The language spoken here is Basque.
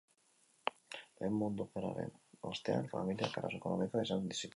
Lehen Mundu Gerraren ostean familiak arazo ekonomikoak izan zituen.